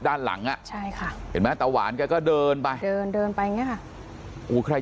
ด้านหลังอ่ะเห็นไหมแต่หวานก็เดินไปเดินไปอย่างนี้ครับใคร